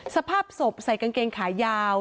สภาพศพใส่กางเกงขายาว